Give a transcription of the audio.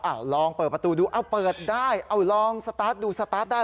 ลองเปิดประตูดูเอาเปิดได้เอาลองสตาร์ทดูสตาร์ทได้